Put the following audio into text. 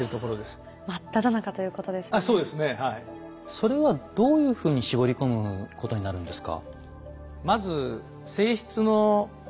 それはどういうふうに絞り込むことになるんですか？